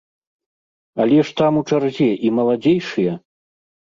Але ж там у чарзе і маладзейшыя!